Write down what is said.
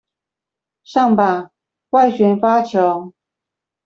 上吧，外旋發球